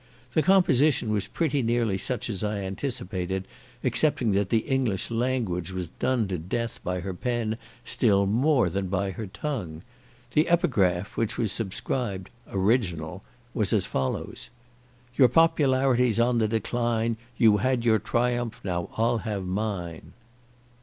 The composition was pretty nearly such as I anticipated, excepting that the English language was done to death by her pen still more than by her tongue. The epigraph, which was subscribed "original," was as follows: "Your popularity's on the decline: You had your triumph! now I'll have mine."